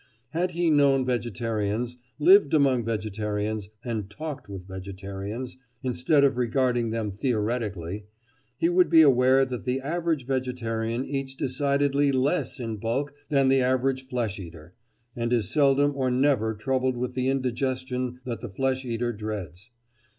Had he known vegetarians, lived among vegetarians, and talked with vegetarians, instead of regarding them theoretically, he would be aware that the average vegetarian eats decidedly less in bulk than the average flesh eater, and is seldom or never troubled with the indigestion that the flesh eater dreads.